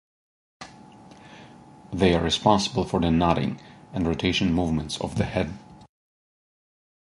They are responsible for the nodding and rotation movements of the head.